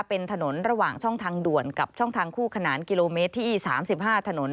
เป็นถนนระหว่างช่องทางด่วนกับช่องทางคู่ขนานกิโลเมตรที่๓๕ถนน